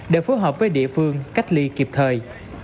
để phối hợp với địa phương cách ly kịp thời